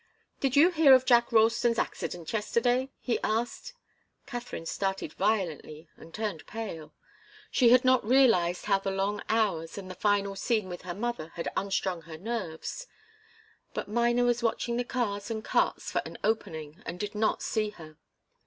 "Did you hear of Jack Ralston's accident yesterday?" he asked. Katharine started violently and turned pale. She had not realized how the long hours and the final scene with her mother had unstrung her nerves. But Miner was watching the cars and carts for an opening, and did not see her.